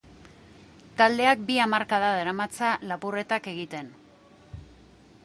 Taldeak bi hamarkada daramatza lapurretak egiten.